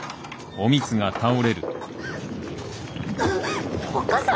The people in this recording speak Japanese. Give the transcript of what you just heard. おっ母さん？